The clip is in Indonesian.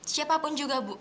siapapun juga bu